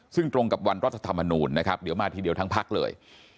ซึ่งตรงกับวันรัฐธรรมนูญนะครับเดี๋ยวมาทีเดียวทั้งพักเลย